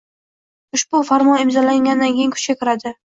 Ushbu Farmon imzolangandan keyin kuchga kiradi